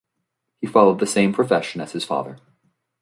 He followed the same profession as his father.